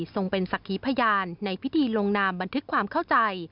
ส่งเป็นสักขีพยานในพิธีลงนามบันทึกความเข้าใจ